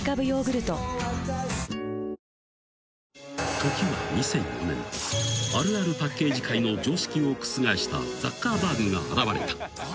［時は２００４年あるあるパッケージ界の常識を覆したザッカーバーグが現れた。